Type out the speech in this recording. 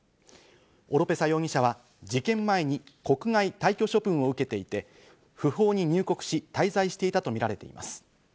オロペサ容疑者は事件前に国外退去処分を受けていて、不法に入国した上で滞在していたとみられています。